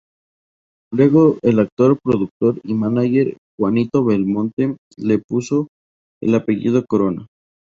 Luego el actor, productor y manager Juanito Belmonte le puso el apellido Corona.